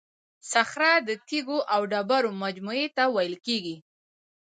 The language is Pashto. صخره د تیکو او ډبرو مجموعې ته ویل کیږي.